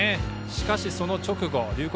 しかしその直後龍谷